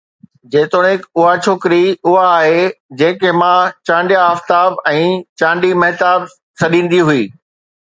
جيتوڻيڪ اها ڇوڪري اها آهي، جنهن کي ماءُ چانڊيا آفتاب ۽ چانڊي مهتاب سڏيندي هئي